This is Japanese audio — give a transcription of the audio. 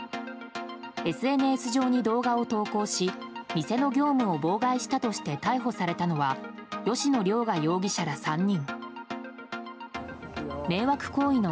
ＳＮＳ上に動画を投稿し店の業務を妨害したとして逮捕されたのは吉野凌雅容疑者ら３人。